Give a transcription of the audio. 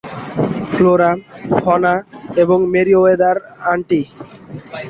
Flora, fauna এবং Meriwether aunty.